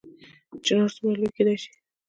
چنار څومره لوی کیدی شي؟